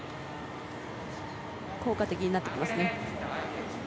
効果的になってきますね。